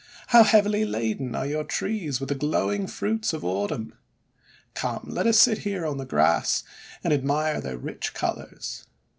How heavily laden are your trees with the glowing fruits of Autumn ! Come, let us sit here on the grass, and admire their rich colours."